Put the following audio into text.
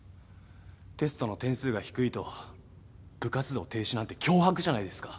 テストの点数が低いと部活動停止なんて脅迫じゃないですか。